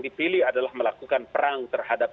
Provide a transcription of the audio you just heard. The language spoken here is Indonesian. dipilih adalah melakukan perang terhadap